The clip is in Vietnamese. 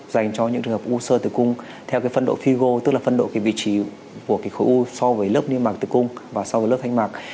dành cho những trường hợp u sơ tử cung theo cái phân độ figo tức là phân độ cái vị trí của cái khối u so với lớp niêm mạc tử cung và so với lớp thanh mạc